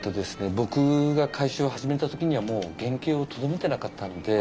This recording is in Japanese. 僕が改修を始めた時にはもう原形をとどめてなかったんで。